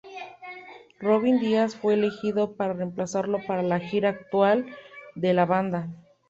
Robin Díaz fue elegido para reemplazarlo para la gira actual de la banda.